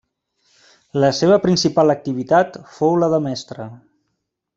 La seva principal activitat fou la de mestre.